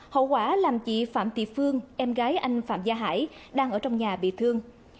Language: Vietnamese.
hậu quả làm chị phạm tị phương em gái anh phạm gia hải đang ở trong nhà bị thương